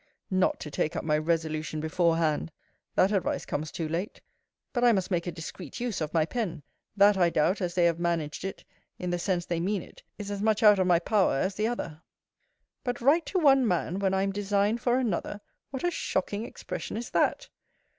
Not to take up my resolution beforehand! That advice comes too late. But I must make a discreet use of my pen. That, I doubt, as they have managed it, in the sense they mean it, is as much out of my power, as the other. But write to one man, when I am designed for another! What a shocking expression is that!